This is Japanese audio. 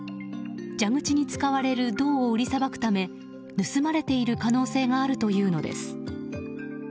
蛇口に使われる銅を売りさばくため盗まれている可能性があるというのです。